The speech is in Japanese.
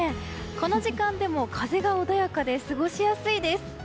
この時間でも、風が穏やかで過ごしやすいです。